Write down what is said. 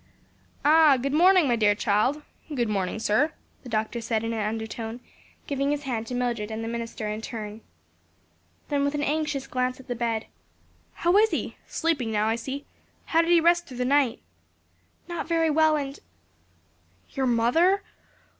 "AH, good morning, my dear child! Good morning, sir," the doctor said in an undertone, giving his hand to Mildred and the minister in turn. Then with an anxious glance at the bed "How is he? sleeping now, I see. How did he rest through the night?" "Not very well, and " "Your mother?